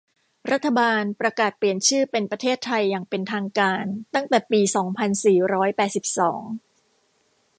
รัฐบาลประกาศเปลี่ยนชื่อเป็นประเทศไทยอย่างเป็นทางการตั้งแต่ปี สองพันสี่ร้อยแปดสิบสอง